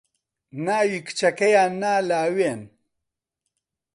ناوی کچەکەیان نا لاوێن